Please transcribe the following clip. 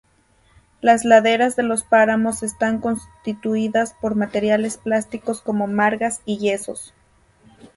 Las laderas de los páramos están constituidas por materiales plásticos como margas y yesos.